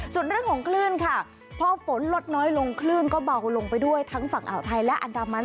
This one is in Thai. ส่วนเรื่องของคลื่นค่ะพอฝนลดน้อยลงคลื่นก็เบาลงไปด้วยทั้งฝั่งอ่าวไทยและอันดามัน